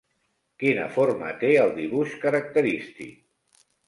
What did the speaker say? Quina forma té el dibuix característic?